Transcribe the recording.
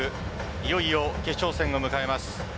いよいよ決勝戦を迎えます。